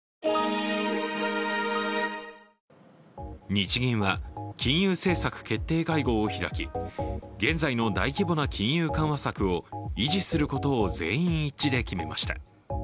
日銀は金融政策決定会合を開き、現在の大規模な金融緩和策を維持することを全員一致で決めました。